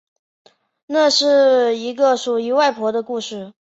那是一个属于外婆的故事